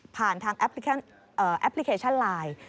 ผ่านทางแอปพลิเคชันไลน์